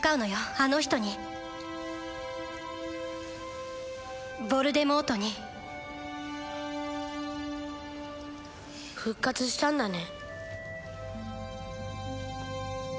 あの人にヴォルデモートに復活したんだね？